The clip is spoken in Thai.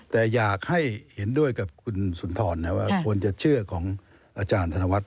แต่อยากให้เห็นด้วยกับคุณสุนทรว่าควรจะเชื่อของอาจารย์ธนวัฒ